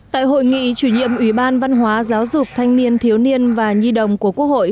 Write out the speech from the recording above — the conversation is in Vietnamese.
tại hội nghị chủ nhiệm ubnd giáo dục thanh niên thiếu niên và nhi đồng của quốc hội